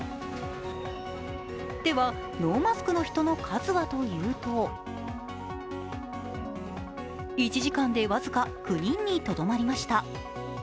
では、ノーママスクの人の数はというと、１時間で僅か９人にとどまりました。